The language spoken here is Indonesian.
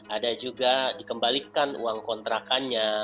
ada juga dikembalikan uang kontrakannya